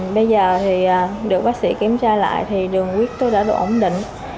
bây giờ được bác sĩ kiểm tra lại thì đường quyết tôi đã đủ ổn định